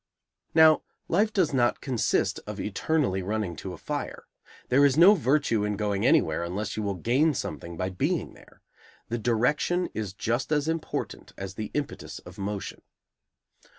Now, life does not consist of eternally running to a fire. There is no virtue in going anywhere unless you will gain something by being there. The direction is just as important as the impetus of motion.